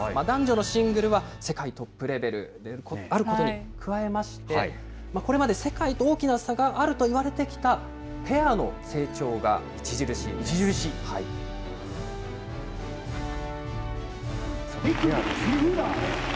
男女のシングルは世界トップレベルであることに加えまして、これまで世界と大きな差があるといわれてきたペアの成長が著しいんです。